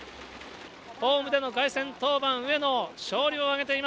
ホームでの凱旋登板。